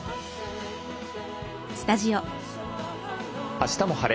「あしたも晴れ！